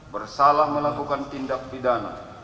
bersalah melakukan tindak pidana